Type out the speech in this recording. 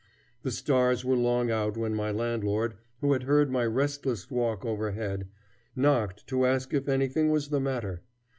The stars were long out when my landlord, who had heard my restless walk overhead, knocked to ask if anything was the matter.